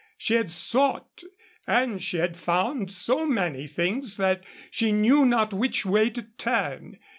She had sought and she had found so many things that she knew not which way to turn.